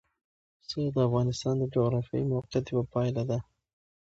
پسه د افغانستان د جغرافیایي موقیعت یوه پایله ده.